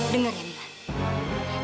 dengar ya mila